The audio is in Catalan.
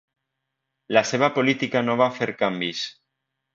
La seva política no va fer canvis.